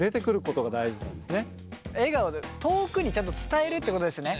笑顔で遠くにちゃんと伝えるってことですね。